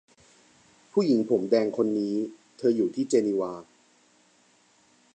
ผู้หญิงผมแดงคนนี้ เธออยู่ที่เจนีวา